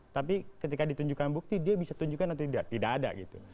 tapi ketika ditunjukkan bukti dia bisa tunjukkan atau tidak tidak ada gitu